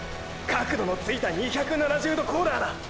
角度のついた２７０度コーナーだ！！